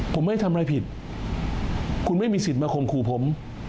ผมไม่ได้ทำอะไรผิดคุณไม่มีสิทธิ์มาข่มขู่ผม